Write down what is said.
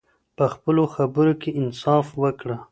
په خپلو خبرو کې انصاف وکړه.